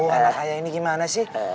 aduh ayah ini gimana sih